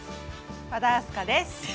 和田明日香です。